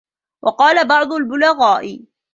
وَقَالَ بَعْضُ الْبُلَغَاءُ